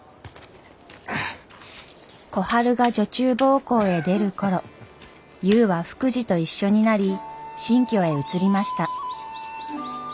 小春が女中奉公へ出る頃ゆうは福治と一緒になり新居へ移りました。